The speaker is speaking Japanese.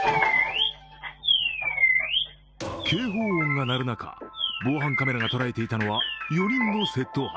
警報音が鳴る中、防犯カメラが捉えていたのは４人の窃盗犯。